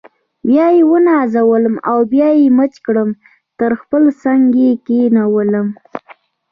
بیا یې ونازولم او بیا یې مچ کړم تر خپل څنګ یې کښېنولم.